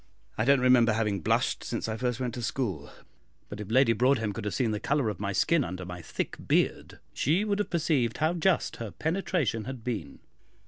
I don't remember having blushed since I first went to school, but if Lady Broadhem could have seen the colour of my skin under my thick beard, she would have perceived how just her penetration had been.